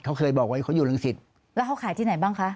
เขาเคยบอกว่าเขาอยู่รังสิตแล้วเขาขายที่ไหนบ้างคะ